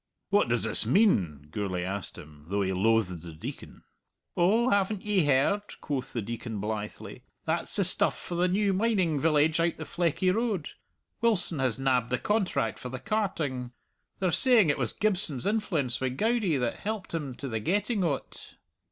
"What does this mean?" Gourlay asked him, though he loathed the Deacon. "Oh, haven't ye heard?" quoth the Deacon blithely. "That's the stuff for the new mining village out the Fleckie Road. Wilson has nabbed the contract for the carting. They're saying it was Gibson's influence wi' Goudie that helped him to the getting o't."